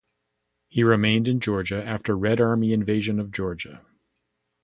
He remained in Georgia after Red Army invasion of Georgia.